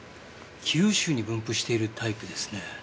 九州に分布しているタイプですね。